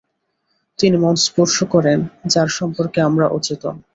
তিনি মনস্পর্শ করেন যার সম্পর্কে আমরা অচেতন।